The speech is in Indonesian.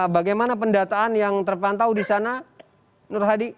bagaimana pendataan yang terpantau di sana nur hadi